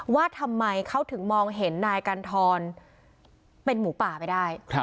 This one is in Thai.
ว่าทำไมเขาถึงมองเห็นนายกันทรเป็นหมูป่าไปได้